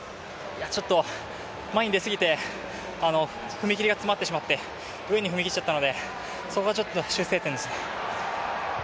ちょっと前に出すぎて、踏み切りが詰まってしまって、上に踏み切っちゃったので、そこがちょっと修正点ですね。